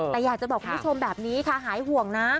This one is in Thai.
แต่อยากจะบอกคุณผู้ชมแบบนี้ค่ะหายห่วงนะ